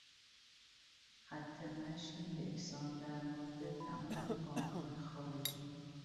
خط مشی یکسان در مورد تمام بانکهای خارجی